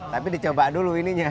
tapi dicoba dulu ininya